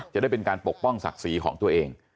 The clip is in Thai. จะได้เป็นการปกป้องศักดิ์ศรีของตัวเอง